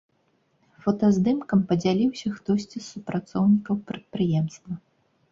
Фотаздымкам падзяліўся хтосьці з супрацоўнікаў прадпрыемства.